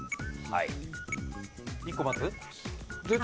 はい。